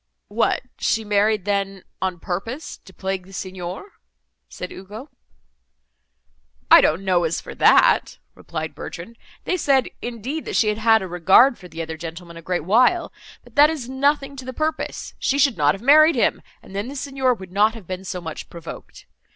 "What, she married, then, on purpose to plague the Signor?" said Ugo. "I don't know as for that," replied Bertrand, "they said, indeed, that she had had a regard for the other gentleman a great while; but that is nothing to the purpose, she should not have married him, and then the Signor would not have been so much provoked.